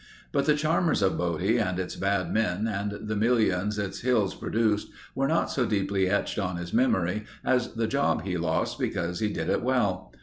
But the charmers of Bodie and its bad men and the millions its hills produced were not so deeply etched on his memory as the job he lost because he did it well.